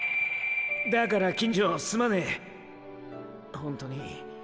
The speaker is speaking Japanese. だから金城すまねェホントに。